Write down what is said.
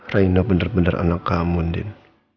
raina benar benar anak kamu din